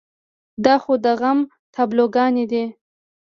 دا خو د غم تابلوګانې دي.